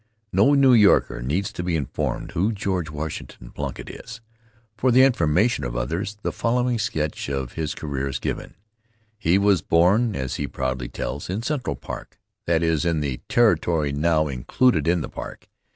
No New Yorker needs to be informed who George Washington Plunkitt is. For the information of others, the following sketch of his career is given. He was born, as he proudly tells, in Central Park that is, in the territory now included in the park.